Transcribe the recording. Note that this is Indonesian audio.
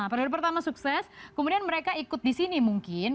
periode pertama sukses kemudian mereka ikut di sini mungkin